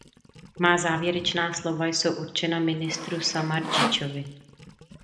Má závěrečná slova jsou určena ministru Samardžićovi.